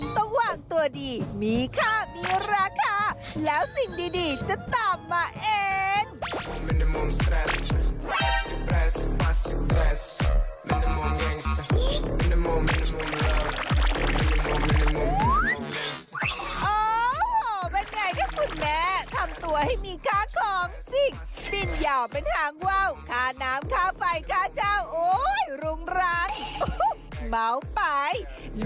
โปรดติดตามต่อไป